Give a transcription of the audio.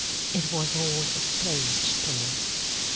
It was all explained to me.